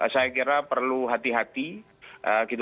saya kira perlu hati hati